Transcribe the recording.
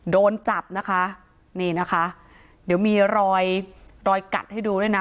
โดนจับนะคะนี่นะคะเดี๋ยวมีรอยรอยกัดให้ดูด้วยนะ